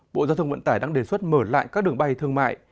bộ giao thông vận tải đang đề xuất mở lại các đường bay thương mại